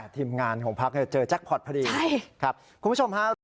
ทีมงานของพักเจอแจ็คพอร์ตพอดีครับคุณผู้ชมฮะ